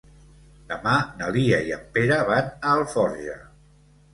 Demà na Lia i en Pere van a Alforja.